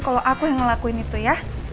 kalau aku yang ngelakuin itu ya